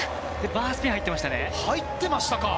バースピン入ってましたね。